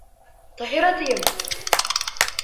Таһира, тием!